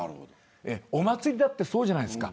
お祭りだってそうじゃないですか。